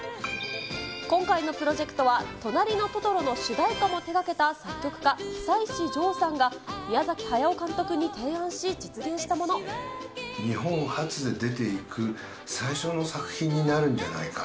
今回のプロジェクトは、となりのトトロの主題歌も手がけた作曲家、久石譲さんが宮崎駿監日本発で出ていく最初の作品になるんじゃないか。